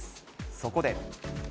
そこで。